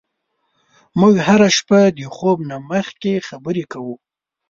موږ هره شپه د خوب نه مخکې خبرې کوو.